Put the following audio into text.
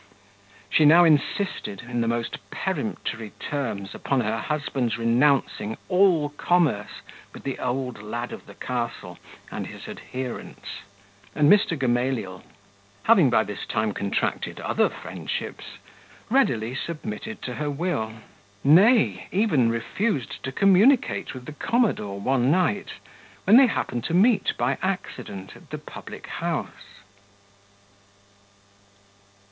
She now insisted, in the most peremptory terms, upon her husband's renouncing all commerce with the old lad of the castle and his adherents; and Mr. Gamaliel, having by this time contracted other friendships, readily submitted to her will; nay, even refused to communicate with the commodore one night, when they happened to meet by accident at the public house.